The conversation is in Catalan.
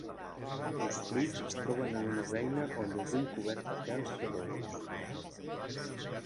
Els fruits es troben en una beina o llegum cobert de pèls sedosos.